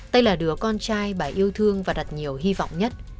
đây là đứa con trai bà yêu thương và đặt nhiều hy vọng nhất